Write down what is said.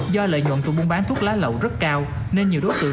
do lợi nhuận từ buôn bán thuốc láo lộ rất cao nên nhiều đối tượng